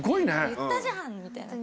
「言ったじゃん！」みたいな。